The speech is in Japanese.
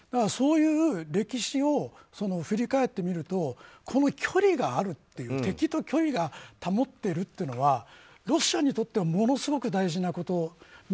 そういう歴史を振り返ってみるとこの距離があるという敵と距離を保っているというのはロシアにとってはものすごく大事なこと。